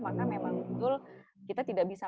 maka memang betul kita tidak bisa